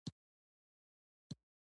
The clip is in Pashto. یوه ورځ زه تصادفا هوا خورۍ ته وتلی وم.